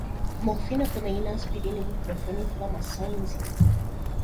morfina, codeína, aspirina, ibuprofeno, inflamação, enzima